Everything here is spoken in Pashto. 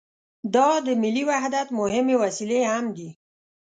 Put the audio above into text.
دا د ملي وحدت مهمې وسیلې هم دي.